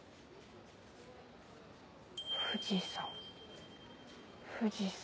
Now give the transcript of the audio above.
富士山富士山。